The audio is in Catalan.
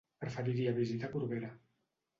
Preferiria visitar Corbera.